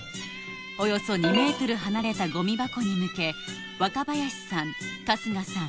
およそ２メートル離れたゴミ箱に向け若林さん春日さん